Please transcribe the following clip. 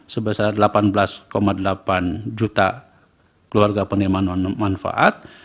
sebesar delapan belas delapan juta keluarga penerima manfaat